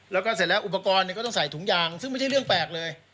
แล้วก็เสร็จแล้วอุปกรณ์ก็ต้องใส่ถุงยางซึ่งไม่ใช่เรื่องแปลกเลย